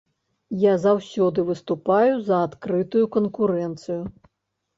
Я заўсёды выступаю за адкрытую канкурэнцыю.